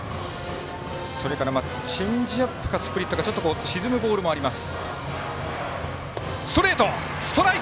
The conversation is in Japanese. それからチェンジアップかスプリットかちょっと、沈むボールもあります。